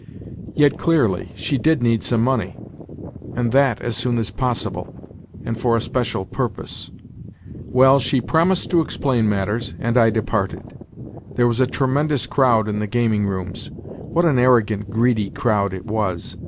Yet clearly she did need some money, and that as soon as possible, and for a special purpose. Well, she promised to explain matters, and I departed. There was a tremendous crowd in the gaming rooms. What an arrogant, greedy crowd it was!